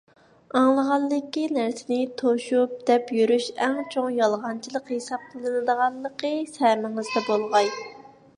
ئاڭلىغانلىكى نەرسىنى توشۇپ دەپ يۈرۈش ئەڭ چوڭ يالغانچىلىق ھېسابلىنىدىغانلىقى سەمىڭىزدە بولغاي!